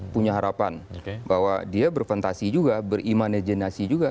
punya harapan bahwa dia berfantasi juga berimaneginasi juga